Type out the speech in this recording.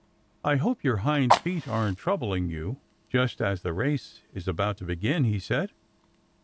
"I hope your hind feet aren't troubling you, just as the race is about to begin," he said.